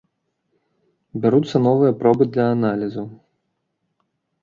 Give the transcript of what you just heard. Бяруцца новыя пробы для аналізаў.